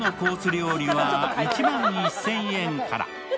料理は１万１０００円から。